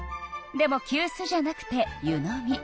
でもきゅうすじゃなくて湯飲み。